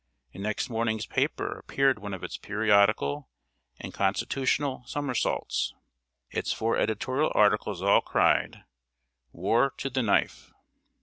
In next morning's paper appeared one of its periodical and constitutional somersaults. Its four editorial articles all cried "War to the knife!"